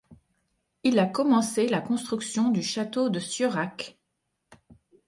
Il a commencé la construction du château de Cieurac.